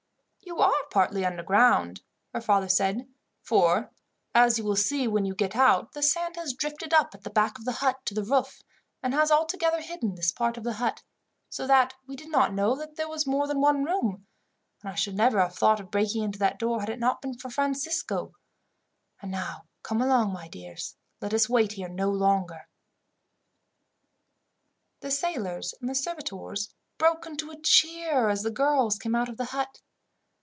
"You are partly underground," her father said, "for, as you will see when you get out, the sand has drifted up at the back of the hut to the roof, and has altogether hidden this part of the hut; so that we did not know that there was more than one room, and I should never have thought of breaking into that door, had it not been for Francisco. And now come along, my dears. Let us wait here no longer." The sailors and servitors broke into a cheer as the girls came out of the hut.